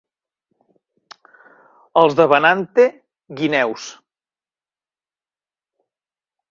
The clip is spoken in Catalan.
Els de Benante, guineus.